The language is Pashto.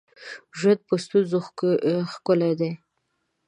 ژوند په ستونزو ښکلی دی